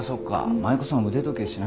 舞妓さんは腕時計しないもんな。